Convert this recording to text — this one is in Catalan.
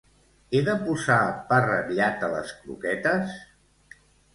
He de posar pa ratllat a les croquetes?